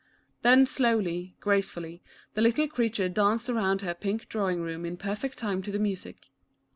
Then slowly, gracefully, the little creature danced around her pink drawing room in perfect time to the music.